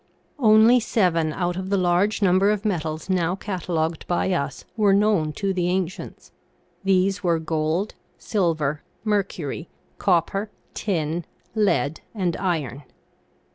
Only seven out of the large number of metals now cata logued by us were known to the ancients ; these were gold, silver, mercury, copper, tin, lead, and iron.